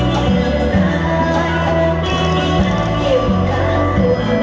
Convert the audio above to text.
สวัสดีครับ